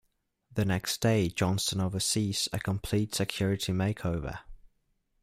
The next day, Johnston oversees a complete security makeover.